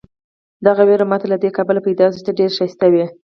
دغه وېره ماته له دې کبله پیدا شوه چې ته ډېر ښایسته وې.